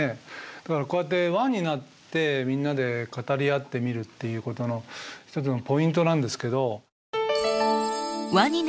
だからこうやって輪になってみんなで語り合ってみるっていうことの一つのポイントなんですけど。